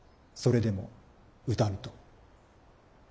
それでも打たぬと。